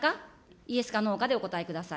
イエスかノーかでお答えください。